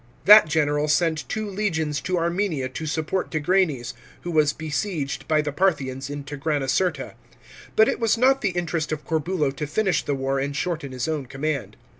That general sent two legions to Armenia to support Tigranes, who was besieged by the Parthians in Tigranocerta. But it was not the interest of Corbulo to finish the war and shorten his own command.